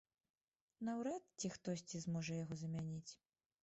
Наўрад ці хтосьці зможа яго замяніць.